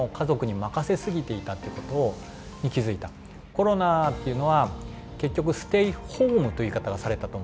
コロナっていうのは結局「ステイホーム」という言い方がされたと思うんです。